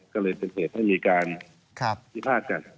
ก็เลยเป็นเหตุให้มีการพิพาทกัน